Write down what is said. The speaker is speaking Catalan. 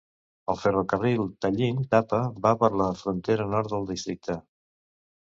El ferrocarril Tallinn - Tapa va per la frontera nord del districte.